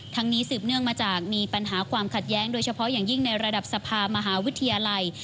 นี้สืบเนื่องมาจากมีปัญหาความขัดแย้งโดยเฉพาะอย่างยิ่งในระดับสภามหาวิทยาลัย